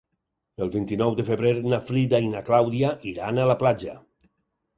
El vint-i-nou de febrer na Frida i na Clàudia iran a la platja.